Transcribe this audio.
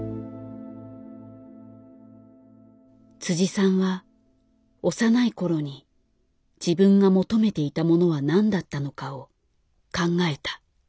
さんは幼い頃に自分が求めていたものは何だったのかを考えた。